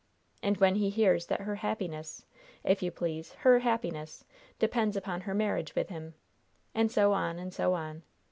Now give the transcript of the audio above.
And when he hears that her happiness, if you please her happiness, depends upon her marriage with him! And so on and so on!